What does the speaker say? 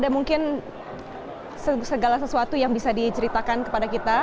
ada mungkin segala sesuatu yang bisa diceritakan kepada kita